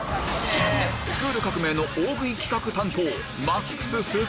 『スクール革命！』の大食い企画担当